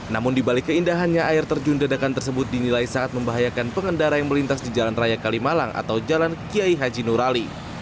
namun dibalik keindahannya air terjun dadakan tersebut dinilai sangat membahayakan pengendara yang melintas di jalan raya kalimalang atau jalan kiai haji nurali